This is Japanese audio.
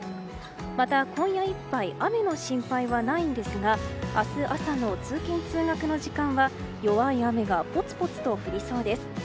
また、今夜いっぱい雨の心配はないんですが明日朝の通勤・通学の時間は弱い雨がぽつぽつと降りそうです。